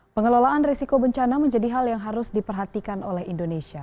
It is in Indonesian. pengelolaan risiko bencana menjadi hal yang harus diperhatikan oleh indonesia